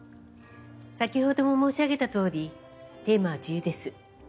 先ほども申し上げたとおりテーマは自由です。